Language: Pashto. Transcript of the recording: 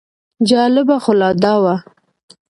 جالبه خو لا دا وه.